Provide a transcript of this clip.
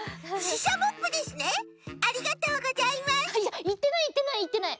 いやいってないいってないいってない！